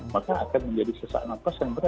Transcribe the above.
maka akan menjadi sesak nafas yang berat